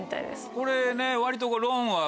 これね割とロンは。